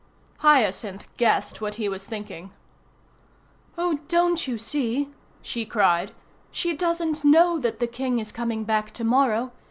Hyacinth guessed what he was thinking. "Oh, don't you see," she cried, "she doesn't know that the King is coming back to morrow.